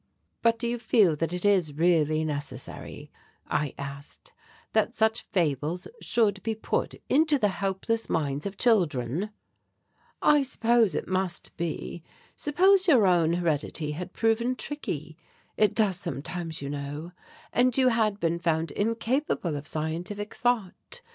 "But do you feel that it is really necessary," I asked, "that such fables should be put into the helpless minds of children?" "It surely must be. Suppose your own heredity had proven tricky it does sometimes, you know and you had been found incapable of scientific thought.